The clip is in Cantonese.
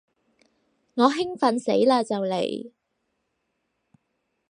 我興奮死嘞就嚟